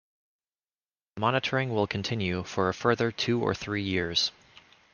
Monitoring will continue for a further two or three years.